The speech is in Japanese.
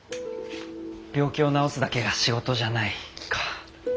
病気を治すだけが仕事じゃないか。